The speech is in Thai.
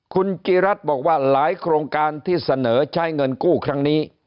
คุณจิรัตน์บอกว่าหลายโครงการที่เสนอใช้เงินกู้ครั้งนี้